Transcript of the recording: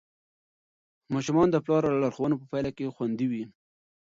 ماشومان د پلار لارښوونو په پایله کې خوندي وي.